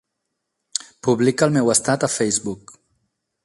Publica el meu estat a Facebook.